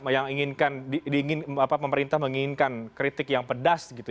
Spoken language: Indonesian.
yang inginkan pemerintah menginginkan kritik yang pedas gitu ya